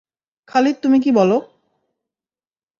খালিদ তুমি কি বল।